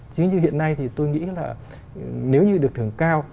chính như hiện nay thì tôi nghĩ là nếu như được thưởng cao